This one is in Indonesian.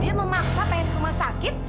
dia memaksa pengen ke rumah sakit